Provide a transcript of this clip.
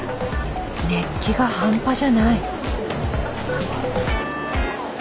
熱気が半端じゃない。